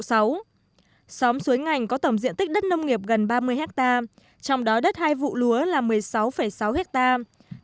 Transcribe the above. xóm suối ngành có tổng diện tích đất nông nghiệp gần ba mươi hectare trong đó đất hai vụ lúa là một mươi sáu sáu hectare